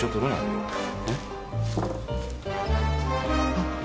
あっ！